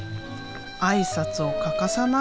挨拶を欠かさない。